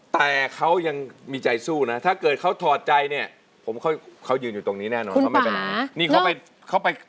แต่เขายังมีใจสู้นะถ้าเกิดเขาถอดใจเนี้ย